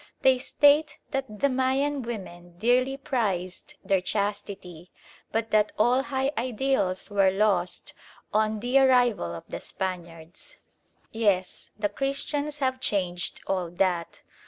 They state that the Mayan women dearly prized their chastity, but that all high ideals were lost on the arrival of the Spaniards. Yes, the "Christians" have changed all that.